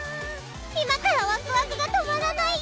今からワクワクが止まらないよ！